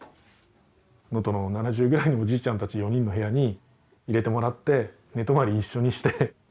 能登の７０ぐらいのおじいちゃんたち４人の部屋に入れてもらって寝泊まり一緒にして。